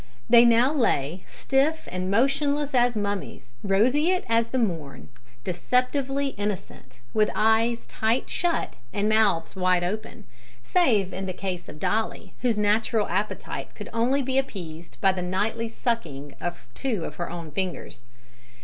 They now lay, stiff and motionless as mummies, roseate as the morn, deceptively innocent, with eyes tight shut and mouths wide open save in the case of Dolly, whose natural appetite could only be appeased by the nightly sucking of two of her own fingers.